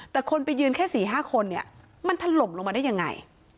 แต่คนไปยืนแค่๔๕คนเนี่ยมันถล่มลงมาได้ยังไง